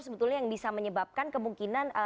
sebetulnya yang bisa menyebabkan kemungkinan